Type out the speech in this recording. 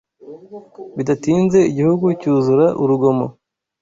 Bidatinze igihugu cyuzura urugomo